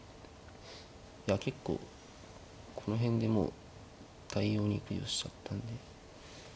いや結構この辺でもう対応に苦慮しちゃったんで。